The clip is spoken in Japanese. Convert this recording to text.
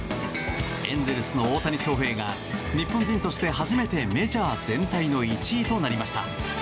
エンゼルスの大谷翔平が日本人として初めてメジャー全体の１位となりました。